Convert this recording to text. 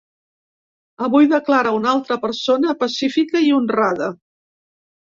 Avui declara una altra persona pacífica i honrada.